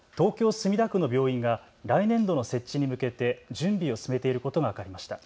墨田区の病院が来年度の設置に向けて準備を進めていることが分かりました。